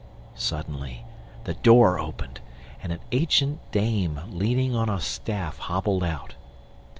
Suddenly the door opened, and an ancient dame leaning on a staff hobbled out.